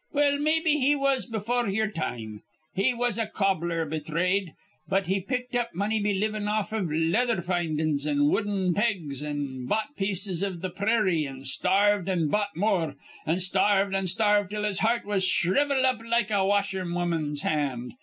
Well, maybe he was befure yer time. He was a cobbler be thrade; but he picked up money be livin' off iv leather findings an' wooden pegs, an' bought pieces iv th' prairie, an' starved an' bought more, an' starved an' starved till his heart was shrivelled up like a washerwoman's hand.